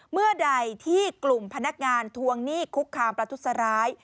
เมื่อใดที่กลุ่มพนักงานทวงหนี้คุกคามประทุษร้าย